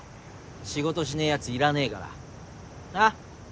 仕事しねえヤツいらねえからなっ。